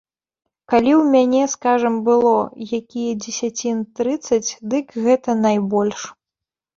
Калі ў мяне, скажам, было якія дзесяцін трыццаць, дык гэта найбольш.